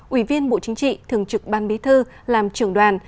ủy viên bộ chính trị thường trực ban bí thư làm trưởng đoàn